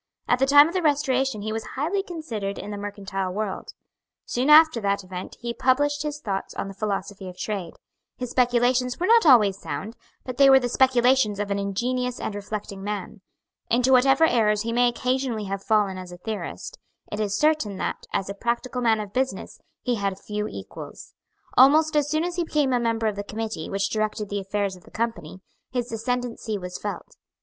At the time of the Restoration he was highly considered in the mercantile world. Soon after that event he published his thoughts on the philosophy of trade. His speculations were not always sound; but they were the speculations of an ingenious and reflecting man. Into whatever errors he may occasionally have fallen as a theorist, it is certain that, as a practical man of business, he had few equals. Almost as soon as he became a member of the committee which directed the affairs of the Company, his ascendency was felt.